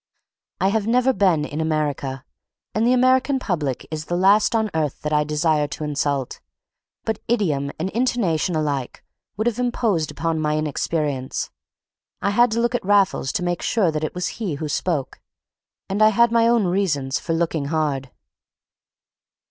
I have never been in America, and the American public is the last on earth that I desire to insult; but idiom and intonation alike would have imposed upon my inexperience. I had to look at Raffles to make sure that it was he who spoke, and I had my own reasons for looking hard.